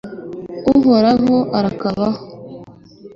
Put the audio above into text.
uhoraho arakabaho